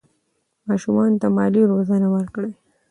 ماشومانو ته مالي روزنه ورکړئ.